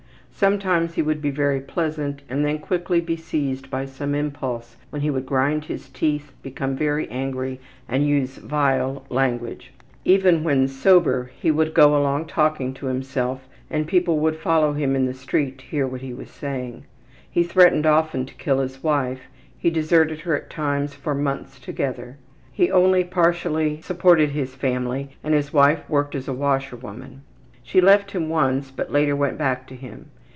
Sometimes he would be very pleasant, and then quickly be seized by some impulse when he would grind his teeth, become very angry, and use vile language. Even when sober he would go along talking to himself and people would follow him on the street to hear what he was saying. He threatened often to kill his wife. He deserted her at times for months together. He only partially supported his family and his wife worked as a washerwoman. She left him once, but later went back to him.